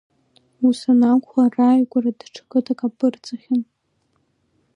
Ус анакәха рааигәара даҽа қыҭак аԥырҵахьан.